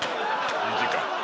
２時間。